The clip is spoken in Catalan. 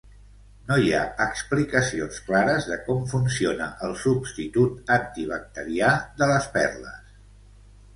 No hi ha explicacions clares de com funciona el substitut antibacterià de les perles.